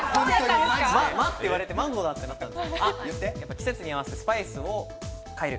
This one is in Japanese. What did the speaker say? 季節に合わせてスパイスを変える。